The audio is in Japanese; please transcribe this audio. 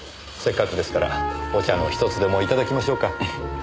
せっかくですからお茶のひとつでもいただきましょうか。